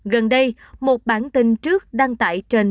gần đây một bản tin trước đăng tải trên